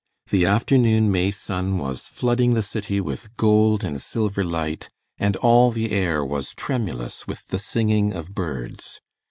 The afternoon May sun was flooding the city with gold and silver light, and all the air was tremulous with the singing of birds.